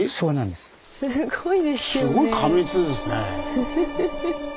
すごいですよね。